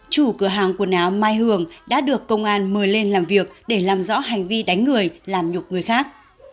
chủ cửa hàng quần áo mai hường đã được công an mời lên làm việc để làm rõ hành vi đánh người làm nhục người khác